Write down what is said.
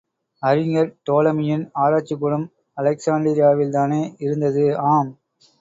அறிஞர் டோலமியின் ஆராய்ச்சிக்கூடம் அலெக்சாண்டிரியாவில்தானே இருந்தது? ஆம்!